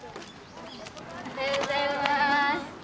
おはようございます。